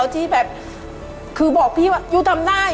การที่บูชาเทพสามองค์มันทำให้ร้านประสบความสำเร็จ